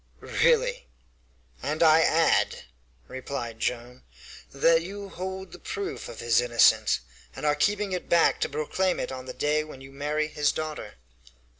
"Really!" "And I add," replied Joam, "that you hold the proof of his innocence, and are keeping it back to proclaim it on the day when you marry his daughter."